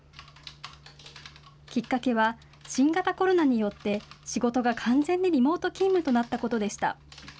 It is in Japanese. きっかけは新型コロナによって仕事が完全にリモート勤務となったことでした。